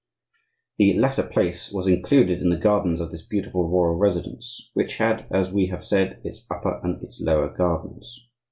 The latter place was included in the gardens of this beautiful royal residence, which had, as we have said, its upper and its lower gardens.